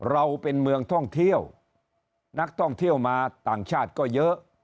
เราเป็นเมืองท่องเที่ยวนักท่องเที่ยวมาต่างชาติก็เยอะ